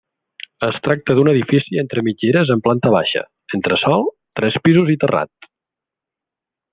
Es tracta d'un edifici entre mitgeres amb planta baixa, entresòl, tres pisos i terrat.